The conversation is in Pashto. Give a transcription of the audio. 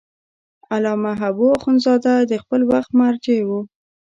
علامه حبو اخند زاده د خپل وخت مرجع و.